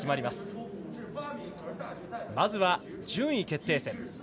まずは順位決定戦。